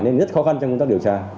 nên rất khó khăn trong công tác điều tra